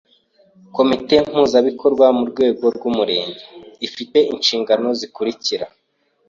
Komite mpuzabikorwa ku rwego rw’Umurenge, ifi te inshingano zikurikira: